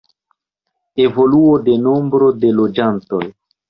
Evoluo de nombro de loĝantoj.